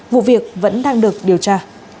vụ việc vẫn đang được điều tra